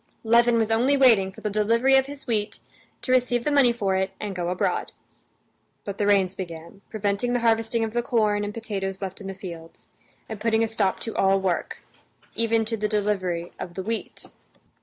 Levin was only waiting for the delivery of his wheat to receive the money for it and go abroad. But the rains began, preventing the harvesting of the corn and potatoes left in the fields, and putting a stop to all work, even to the delivery of the wheat.